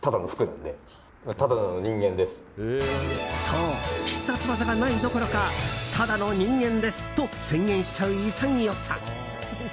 そう、必殺技がないどころかただの人間ですと宣言しちゃう潔さ。